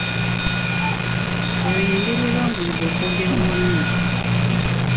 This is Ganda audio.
Eyo y'engeri ebanguyiza okwogera olulimi.